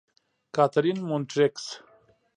کاترین: مونټریکس.